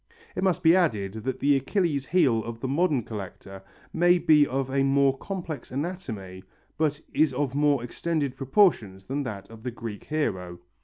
It must be added that the Achilles' heel of the modern collector may be of a more complex anatomy but is of more extended proportions than that of the Greek hero.